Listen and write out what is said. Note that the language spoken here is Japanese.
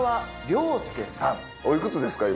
おいくつですか？